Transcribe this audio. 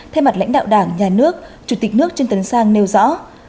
thay mặt lãnh đạo đảng nhà nước chủ tịch nước trương tấn sang nêu rõ